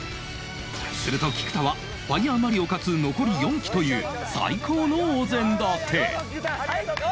すると菊田はファイアマリオかつ残り４機という最高のお膳立て